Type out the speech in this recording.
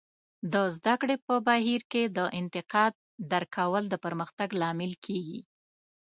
د زده کړې په بهیر کې د انتقاد درک کول د پرمختګ لامل کیږي.